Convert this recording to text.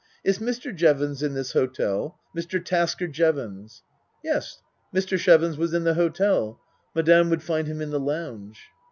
" Is Mr. Jevons in this hotel Mr. Tasker Jevons ?" Yes, Mr. Chevons was in the hotel. Madame would find him in the lounge.